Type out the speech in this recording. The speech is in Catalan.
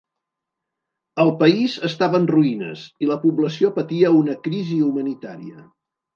El país estava en ruïnes i la població patia una crisi humanitària.